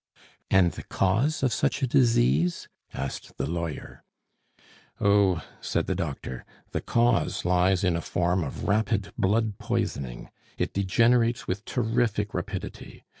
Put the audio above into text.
"And the cause of such a disease?" asked the lawyer. "Oh!" said the doctor, "the cause lies in a form of rapid blood poisoning; it degenerates with terrific rapidity.